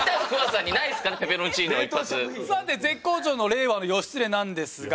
さて絶好調の令和の義経なんですが。